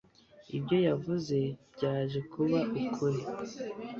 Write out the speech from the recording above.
ibyo yavuze byaje kuba ukuri